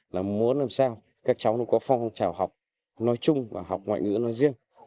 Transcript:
mình muốn làm sao các cháu có phong trào học nói chung và học ngoại ngữ nói riêng